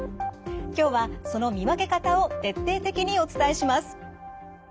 今日はその見分け方を徹底的にお伝えします。